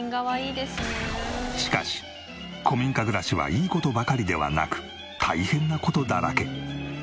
しかし古民家暮らしはいい事ばかりではなく大変な事だらけ。